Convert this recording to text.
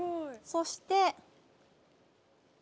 そして。